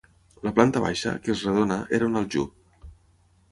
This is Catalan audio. La planta baixa, que és redona, era un aljub.